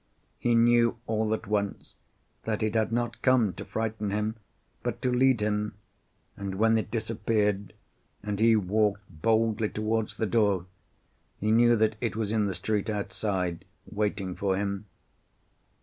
He knew all at once that it had not come to frighten him but to lead him, and when it disappeared, and he walked boldly towards the door, he knew that it was in the street outside, waiting for him.